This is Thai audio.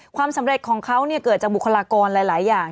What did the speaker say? ความสำเร็จของเขาเกิดจากบุคลากรหลายอย่าง